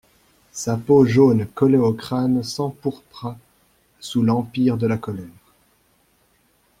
Sa peau jaune collée au crâne s'empourpra sous l'empire de la colère.